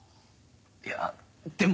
いやでも。